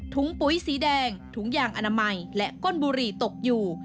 ปุ๋ยสีแดงถุงยางอนามัยและก้นบุหรี่ตกอยู่